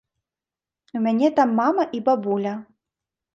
У мяне там мама і бабуля.